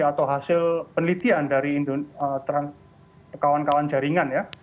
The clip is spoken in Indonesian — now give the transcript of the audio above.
atau hasil penelitian dari kawan kawan jaringan ya